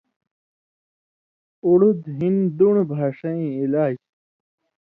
اُڑُد ہِن دُن٘ڑہۡ بھاݜژئیں علاج